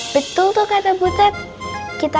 betul tuh kata butet